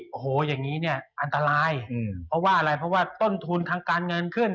โอ้โหอย่างนี้เนี่ยอันตรายเพราะว่าอะไรเพราะว่าต้นทุนทางการเงินขึ้น